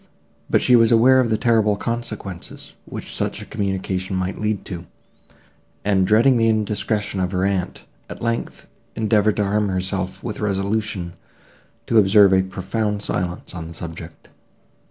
But she was aware of the terrible consequences, which such a communication might lead to; and, dreading the indiscretion of her aunt, at length, endeavoured to arm herself with resolution to observe a profound silence on the subject.